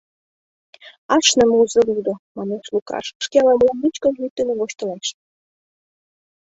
— Ашныме узо лудо, — манеш Лукаш, шке ала-молан вичкыж йӱк дене воштылеш.